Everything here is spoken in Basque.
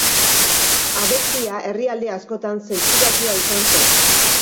Abestia herrialde askotan zentsuratua izan zen.